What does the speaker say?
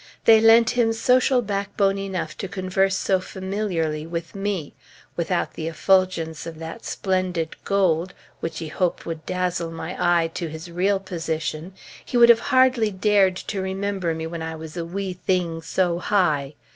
They lent him social backbone enough to converse so familiarly with me; without the effulgence of that splendid gold, which he hoped would dazzle my eye to his real position, he would have hardly dared to "remember me when I was a wee thing, so high."